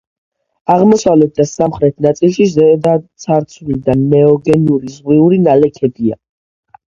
აღმოსავლეთ და სამხრეთ ნაწილში ზედაცარცული და ნეოგენური ზღვიური ნალექებია.